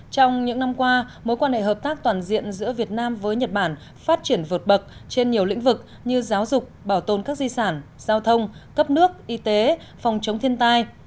trong những năm qua mối quan hệ hợp tác toàn diện giữa việt nam với nhật bản phát triển vượt bậc trên nhiều lĩnh vực như giáo dục bảo tồn các di sản giao thông cấp nước y tế phòng chống thiên tai